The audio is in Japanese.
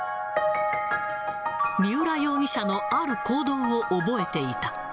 三浦容疑者のある行動を覚えていた。